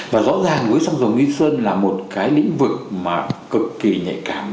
và rõ ràng với xăng dầu nghi sơn là một cái lĩnh vực mà cực kỳ nhạy cảm